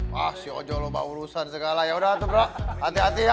wah si ojo lho urusan segala yaudah tuh bro hati hati ya